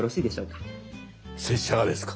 拙者がですか。